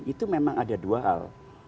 itu memang ada dua hal